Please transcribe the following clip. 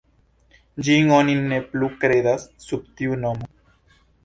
Ĝin oni ne plu bredas sub tiu nomo.